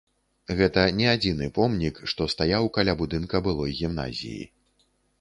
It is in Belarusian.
Гэта не адзіны помнік, што стаяў каля будынка былой гімназіі.